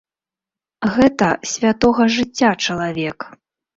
Гэта святога жыцця чалавек.